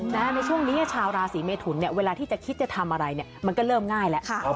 ในช่วงนี้ชาวราศีเมทุนเนี่ยเวลาที่จะคิดจะทำอะไรเนี่ยมันก็เริ่มง่ายแล้ว